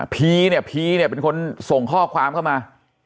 พีเนี่ยพีเนี่ยเป็นคนส่งข้อความเข้ามา